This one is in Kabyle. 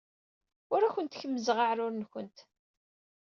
Ur awent-kemmzeɣ aɛrur-nwent.